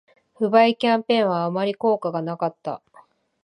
不買キャンペーンはあまり効果がなかった